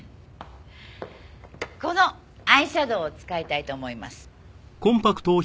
このアイシャドーを使いたいと思います。